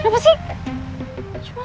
dua setafirun hajim